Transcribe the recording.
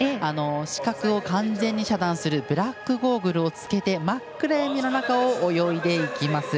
視覚を完全に遮断するブラックゴールをつけて真っ暗闇の中を泳いでいきます。